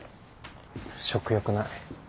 食欲ない。